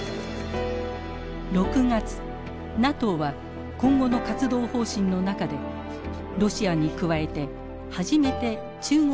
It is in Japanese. ６月ＮＡＴＯは今後の活動方針の中でロシアに加えて初めて中国についても言及。